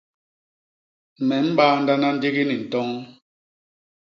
Me mbañdana ndigi ni ntoñ.